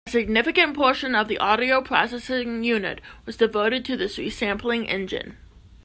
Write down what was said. A significant portion of the audio processing unit was devoted to this resampling engine.